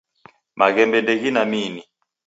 Maghembe ndeghine miini.